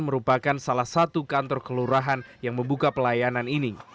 merupakan salah satu kantor kelurahan yang membuka pelayanan ini